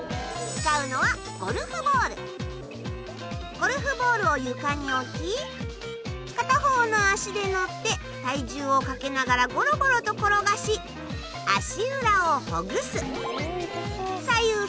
ゴルフボールを床に置き片方の足で乗って体重をかけながらゴロゴロと転がし足裏をほぐす。